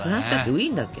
ウィーンだっけ？